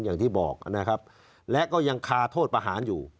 อย่างที่บอกนะครับและก็ยังคาโทษประหารอยู่